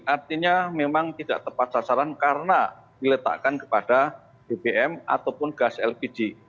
artinya memang tidak tepat sasaran karena diletakkan kepada bbm ataupun gas lpg